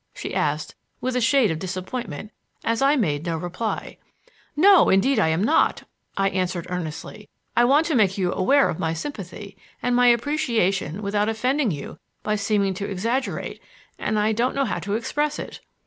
she asked, with a shade of disappointment, as I made no reply. "No, indeed I am not," I answered earnestly. "I want to make you aware of my sympathy and my appreciation without offending you by seeming to exaggerate, and I don't know how to express it."